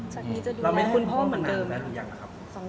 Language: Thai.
สักทีจะดูแลแล้วคุณพ่อมันเกิดไหมครับ